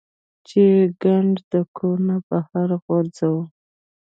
چې ګند د کور نه بهر غورځوه -